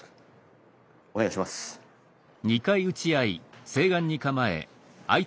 お願いします。